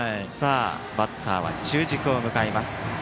バッターは中軸を迎えます。